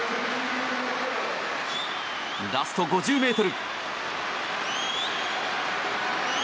ラスト５０ｍ。